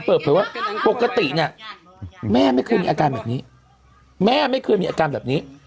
เปิดเผยว่าปกติเนี่ยแม่ไม่เคยมีอาการแบบนี้แม่ไม่เคยมีอาการแบบนี้